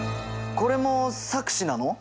これも錯視なの？